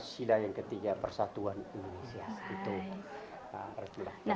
sila yang ketiga persatuan indonesia